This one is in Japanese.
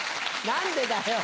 何でだよ！